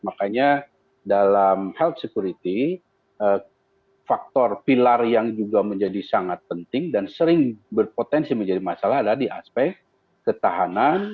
makanya dalam health security faktor pilar yang juga menjadi sangat penting dan sering berpotensi menjadi masalah adalah di aspek ketahanan